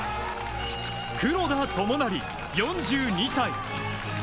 黒田智成、４２歳。